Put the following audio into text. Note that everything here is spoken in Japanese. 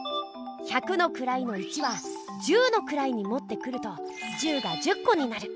百のくらいの１は十のくらいにもってくると１０が１０こになる。